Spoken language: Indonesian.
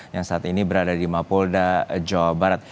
yang saat ini berada di mapolda jawa barat